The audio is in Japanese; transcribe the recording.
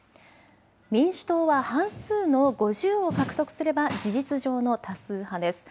民主党は半数の５０を獲得すれば事実上の多数派です。